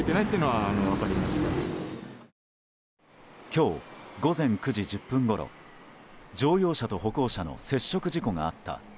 今日午前９時１０分ごろ乗用車と歩行者の接触事故があった。